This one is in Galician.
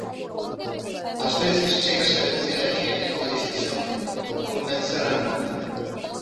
Ás veces chégase a vencer á xente nunha discusión, a convencela nunca.